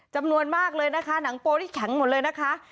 จำนวนมากเลยนะคะหนังโปนี่แข็งหมดเลยนะคะ